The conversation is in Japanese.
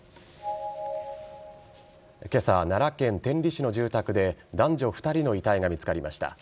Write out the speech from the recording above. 今朝、奈良県天理市の住宅で男女２人の遺体が見つかりました。